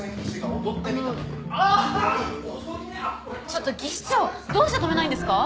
ちょっと技師長どうして止めないんですか？